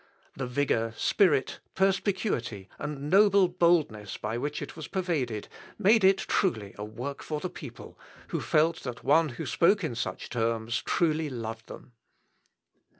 The vigour, spirit, perspicuity, and noble boldness by which it was pervaded, made it truly a work for the people, who felt that one who spoke in such terms truly loved them.